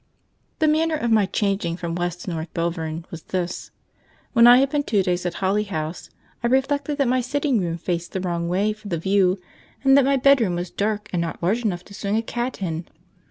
The manner of my changing from West to North Belvern was this. When I had been two days at Holly House, I reflected that my sitting room faced the wrong way for the view, and that my bedroom was dark and not large enough to swing a cat in.